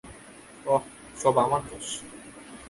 ওহ, সব আমার দোষ।